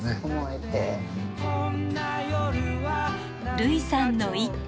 類さんの一句。